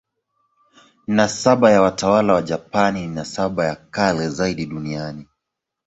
Nasaba ya watawala wa Japani ni nasaba ya kale zaidi duniani.